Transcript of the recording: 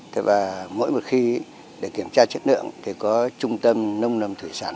thế và mỗi một khi để kiểm tra chất lượng thì có trung tâm nông nầm thủy sản